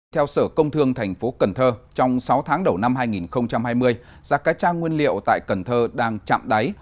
theo sở công thương tp cn trong sáu tháng đầu năm hai nghìn hai mươi giá cá cha nguyên liệu tại cần thơ đang chạm đáy